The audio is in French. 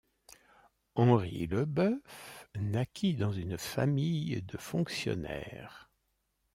Henry Le Bœuf naquit dans une famille de fonctionnaires.